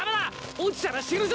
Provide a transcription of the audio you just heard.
落ちたら死ぬぞ！